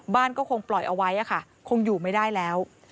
บ้านก็คงปล่อยเอาไว้ค่ะคงอยู่ไม่ได้แล้ว